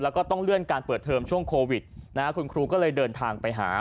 แล้วก็ต้องเลื่อนการเปิดเทอมช่วงโควิดนะฮะคุณครูก็เลยเดินทางไปหา